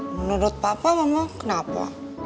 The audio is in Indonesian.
menudut papa mama kenapa